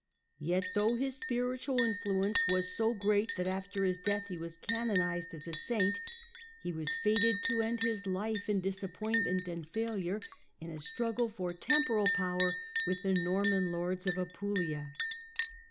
Yet, though his spiritual influence was so great that after his death he was canonized as a saint, he was fated to end his life in disappointment and failure, in a struggle for temporal power with the Norman lords of Apulia.